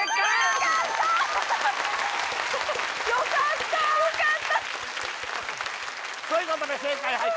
よかったよかったーということで正解はい